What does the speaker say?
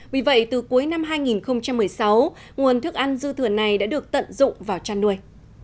vì vậy từ cuối năm hai nghìn một mươi sáu nguồn thức ăn dư thừa này đã được tận dụng vào chăn nuôi